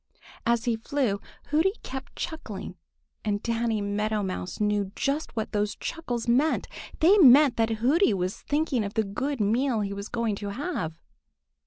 As he flew, Hooty kept chuckling, and Danny Meadow Mouse knew just what those chuckles meant. They meant that Hooty was thinking of the good meal he was going to have.